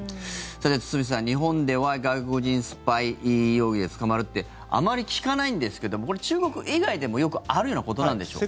堤さん、日本では外国人スパイ容疑で捕まるってあまり聞かないんですけどこれ、中国以外でもよくあるようなことなんでしょうか。